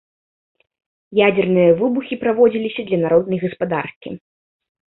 Ядзерныя выбухі праводзіліся для народнай гаспадаркі.